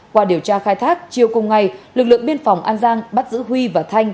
qua điều tra khai thác chiều cùng ngày lực lượng biên phòng an giang bắt giữ huy và thanh